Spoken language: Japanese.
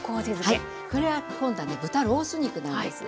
はいこれは今度はね豚ロース肉なんです。